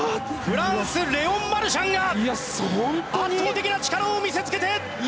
フランスレオン・マルシャンが圧倒的な力を見せつけて金メダル！